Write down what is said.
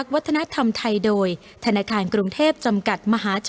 ขอบคุณครับ